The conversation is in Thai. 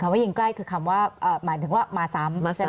คำว่ายิงใกล้คือคำว่าหมายถึงว่ามา๓ใช่ไหมฮะ